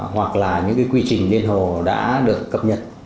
hoặc là những cái quy trình liên hồ đã được cập nhật